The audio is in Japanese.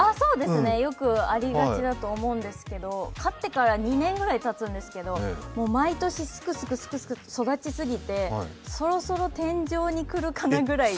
よくありがちだと思うんですけど買ってから２年ぐらいたつんですけど、もう毎年、スクスクスクスクと育ちすぎてそろそろ天井に来るかなぐらいで。